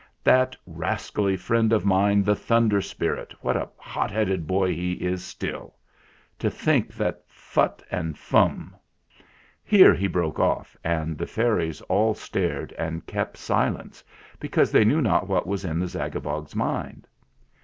"That rascally friend of mine, the Thunder Spirit what a hot headed boy he is still ! To think that Phutt and Fum " Here he broke off, and the fairies all stared and kept silence, because they knew not what was in the Zagabog' s mind.